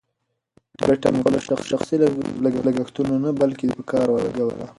ګټه مې په خپلو شخصي لګښتونو نه، بلکې په کار ولګوله.